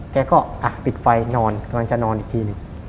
แกก็ปิดไฟนอนกำลังจะนอนอีกทีหนึ่ง